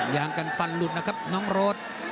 ยางกันฟันหลุดนะครับน้องโรด